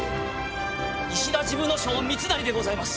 石田治部少輔三成でございます。